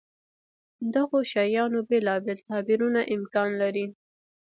دغو شیانو بېلابېل تعبیرونه امکان لري.